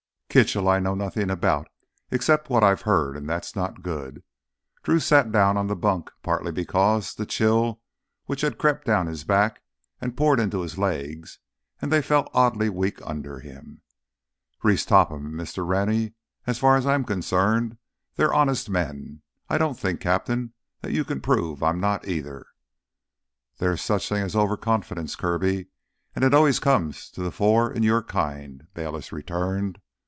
"Kitchell I know nothin' about—except what I've heard and that's not good." Drew sat down on the bunk, partly because the chill which had crept down his back had poured into his legs and they felt oddly weak under him. "Reese Topham and Mr. Rennie—as far as I'm concerned they're honest men. I don't think, Captain, that you can prove I'm not, either." "There is such a thing as over confidence, Kirby, and it always comes to the fore in your kind!" Bayliss returned.